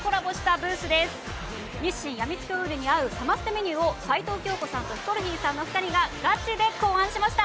やみつきオイルに合うサマステメニューを齊藤京子さんとヒコロヒーさんの２人がガチで考案しました。